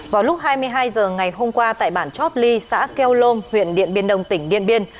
vào lúc hai mươi hai h ngày hôm qua tại bản chót ly xã kêu lôm huyện điện biên đông tỉnh điện biên